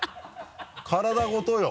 体ごとよ。